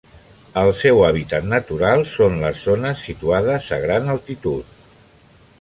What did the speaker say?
El seu hàbitat natural són les zones situades a gran altitud.